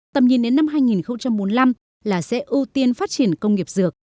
tầm nhìn đến năm hai nghìn bốn mươi năm là sẽ ưu tiên phát triển công nghiệp dược